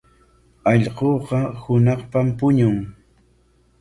Allquuqa hunaqpam puñun.